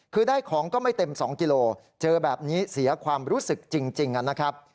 คือได้ของก็ไม่เต็ม๒กิโลเจอแบบนี้เสียความรู้สึกจริงนะครับ